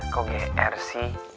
kok gr sih